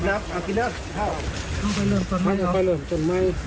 อยากจะคิดไปทั้งอื่นเลยอย่างนี้แหละอยากจะคิดกัน